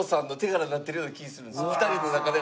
２人の中では。